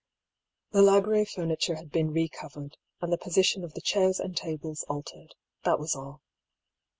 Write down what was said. The library furniture had been re covered and the position of the chairs and tables altered, that was all.